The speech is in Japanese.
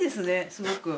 すごく。